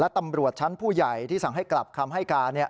ตำรวจชั้นผู้ใหญ่ที่สั่งให้กลับคำให้การ